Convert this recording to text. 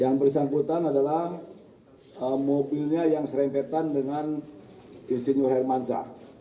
yang bersangkutan adalah mobilnya yang serempetan dengan insinyur hermansyah